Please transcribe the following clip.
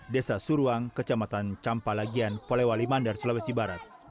desa suruang kecamatan campalagian polewali mandar sulawesi barat